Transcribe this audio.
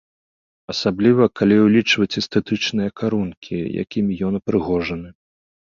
Асабліва, калі ўлічваць эстэтычныя карункі, якімі ён упрыгожаны.